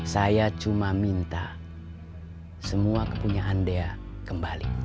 saya cuma minta semua kepunyaan dea kembali